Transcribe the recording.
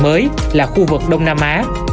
mới là khu vực đông nam á